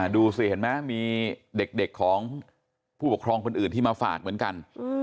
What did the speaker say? ดูสิเห็นไหมมีเด็กของผู้ปกครองคนอื่นที่มาฝากเหมือนกัน